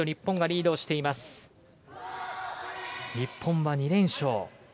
日本は２連勝。